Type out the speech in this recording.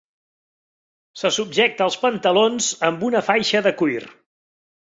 Se subjecta els pantalons amb una faixa de cuir.